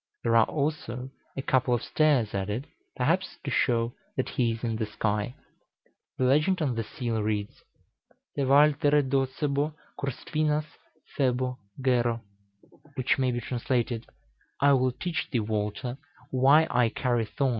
There are also a couple of stars added, perhaps to show that he is in the sky. The legend on the seal reads: "Te Waltere docebo cur spinas phebo gero," which may be translated, "I will teach thee, Walter, why I carry thorns in the moon."